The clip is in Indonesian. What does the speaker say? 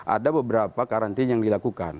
ada beberapa karantina yang dilakukan